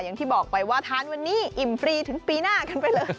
อย่างที่บอกไปว่าทานวันนี้อิ่มฟรีถึงปีหน้ากันไปเลย